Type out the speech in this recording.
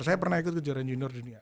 saya pernah ikut kejuaraan junior dunia